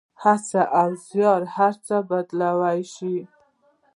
هڅه او زیار هر څه بدلولی شي.